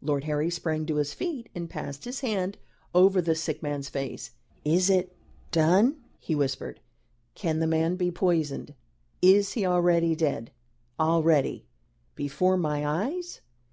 Lord Harry sprang to his feet and passed his hand over the sick man's face. "Is it done?" he whispered. "Can the man be poisoned? Is he already dead? already? Before my eyes?"